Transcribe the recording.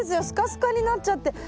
スカスカになっちゃって。